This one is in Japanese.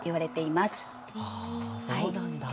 あそうなんだ。